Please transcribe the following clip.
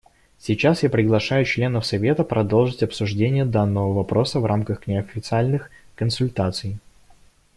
Сейчас я приглашаю членов Совета продолжить обсуждение данного вопроса в рамках неофициальных консультаций.